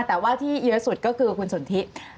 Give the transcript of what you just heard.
แต่ว่าที่เอื้อสุดก็คือคุณสนทิ